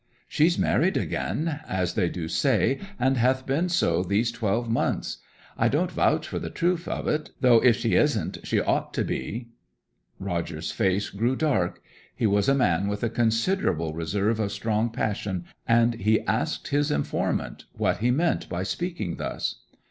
'She's married again as they do say, and hath been so these twelve months. I don't vouch for the truth o't, though if she isn't she ought to be.' Roger's face grew dark. He was a man with a considerable reserve of strong passion, and he asked his informant what he meant by speaking thus.